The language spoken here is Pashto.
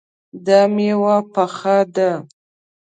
دا میوه پخه ده